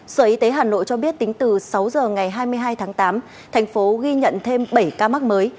sở y tế hà nội cho biết tính từ sáu giờ ngày hai mươi hai tháng tám thành phố ghi nhận thêm bảy ca mắc mới